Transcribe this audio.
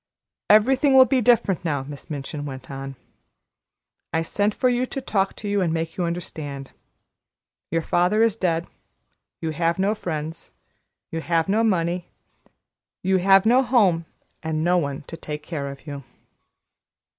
"Everything will be very different now," Miss Minchin went on. "I sent for you to talk to you and make you understand. Your father is dead. You have no friends. You have no money. You have no home and no one to take care of you."